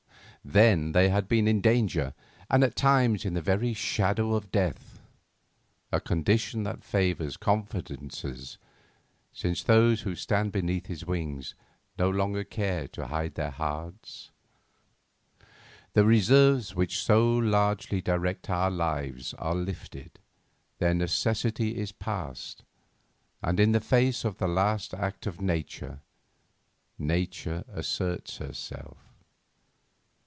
Then they had been in danger, and at times in the very shadow of Death; a condition that favours confidences since those who stand beneath his wings no longer care to hide their hearts. The reserves which so largely direct our lives are lifted, their necessity is past, and in the face of the last act of Nature, Nature asserts herself.